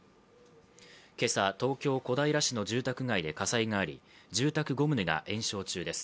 今朝、東京・小平市の住宅街で火災があり、住宅５棟が延焼中です。